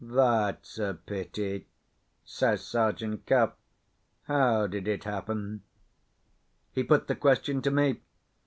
"That's a pity," says Sergeant Cuff. "How did it happen?" He put the question to me.